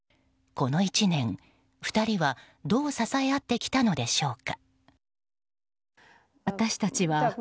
この１年、２人はどう支え合ってきたのでしょうか。